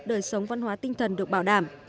đời sống văn hóa tinh thần được bảo đảm